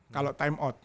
kalau time out